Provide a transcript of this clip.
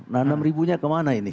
nah enam ribunya kemana ini